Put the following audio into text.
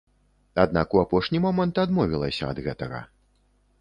Аднак у апошні момант адмовілася ад гэтага.